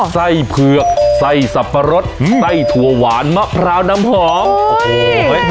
ไส้เผือกไส้สับปะรดไส้ถั่วหวานมะพร้าวน้ำหอมโอ้โห